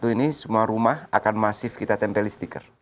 dua ribu dua puluh satu ini semua rumah akan masif kita tempeli stiker